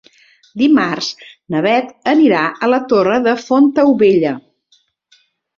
Dimarts na Beth anirà a la Torre de Fontaubella.